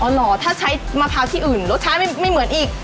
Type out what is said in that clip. เหรอถ้าใช้มะพร้าวที่อื่นรสชาติไม่เหมือนอีก